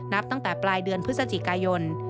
นับตั้งแต่ปลายเดือนพฤศจิกายน